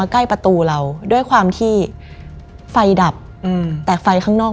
คือเราอะเป็นคนล็อก